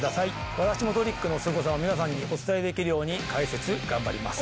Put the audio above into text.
私もトリックのスゴさを皆さんにお伝えできるように解説頑張ります。